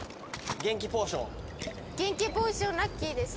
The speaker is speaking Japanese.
元気ポーションラッキーです。